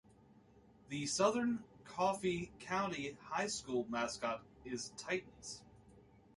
The Southern Coffey County High School mascot is Titans.